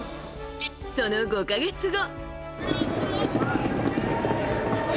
その５か月後。